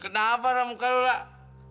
kenapa lah muka lo lah